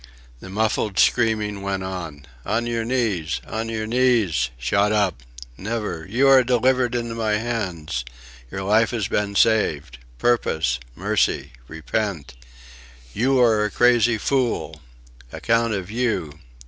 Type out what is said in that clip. The muffled screaming went on: "On your knees! On your knees!" "Shut up!" "Never! You are delivered into my hands.... Your life has been saved.... Purpose.... Mercy.... Repent." "You are a crazy fool!..." "Account of you...